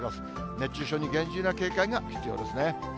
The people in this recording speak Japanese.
熱中症に厳重な警戒が必要ですね。